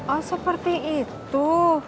oh seperti itu